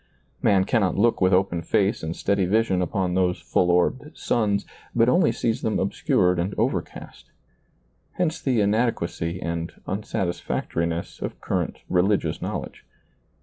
Man cannot look with open face and steady vision upon those full orbed suns, but only sees them obscured and overcast: hence the inadequacy and unsatisfac toriness of current religious knowledge.